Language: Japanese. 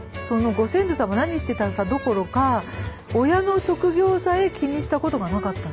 ご先祖様何してたかどころか親の職業さえ気にしたことがなかった。